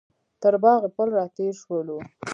تر باغ پل راتېر شولو.